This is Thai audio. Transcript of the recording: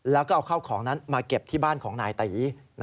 แล้วก็เอาข้าวของนั้นมาเก็บที่บ้านของนายตี